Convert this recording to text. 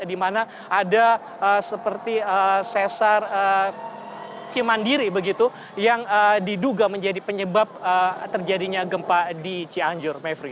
di mana ada seperti sesar cimandiri begitu yang diduga menjadi penyebab terjadinya gempa di cianjur mevri